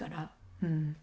うん。